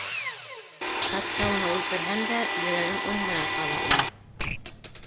Хатта уны үлтерһәм дә, йөрәгем уның менән ҡалыр ине.